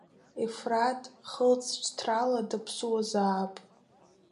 Ефраҭ хылҵшьҭрала даԥсуазаап.